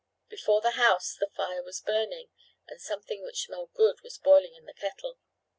Before the house the fire was burning and something which smelled good was boiling in the kettle.